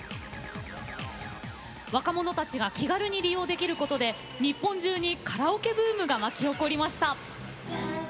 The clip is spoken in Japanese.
若者たちが気軽に利用できることで日本中にカラオケブームが巻き起こりました。